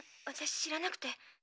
私知らなくて。